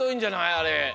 あれ。